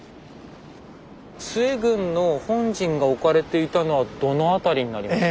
陶軍の本陣が置かれていたのはどの辺りになりますか？